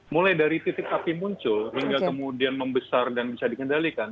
mulai dari titik api muncul hingga kemudian membesar dan bisa dikendalikan